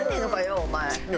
お前。